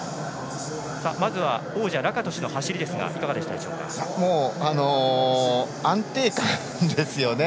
まずは王者ラカトシュの走り安定感ですよね。